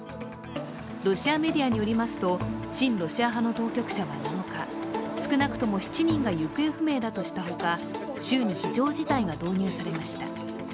ロシアメディアによりますと、親ロシア派の当局者は７日、少なくとも７人が行方不明だとしたほか州に非常事態が導入されました。